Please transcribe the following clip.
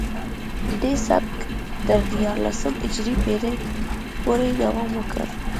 دې سبک تر دیارلسمې هجري پیړۍ پورې دوام وکړ